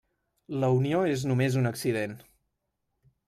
La Unió és només un accident.